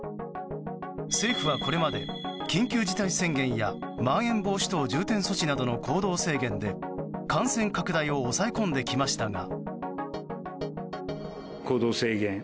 政府はこれまで、緊急事態宣言やまん延防止等重点措置などの行動制限で感染拡大を抑え込んできましたが。